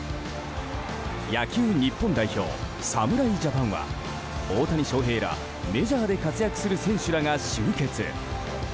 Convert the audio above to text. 野球日本代表、侍ジャパンは大谷翔平ら、メジャーで活躍する選手らが集結。